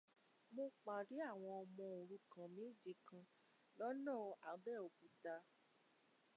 Mo pàdé àwọn ọmọ òrukàn méje kan lọ́nà Abẹ́òkuta.